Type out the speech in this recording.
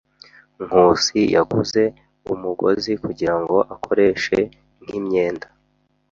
Nkusi yaguze umugozi kugirango akoreshe nk'imyenda.